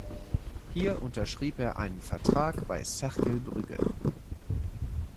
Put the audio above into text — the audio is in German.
Hier unterschrieb er einen Vertrag bei Cercle Brügge.